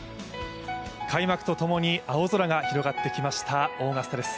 開幕とともに青空が広がってきましたオーガスタです。